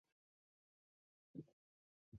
凹籽远志为远志科远志属下的一个种。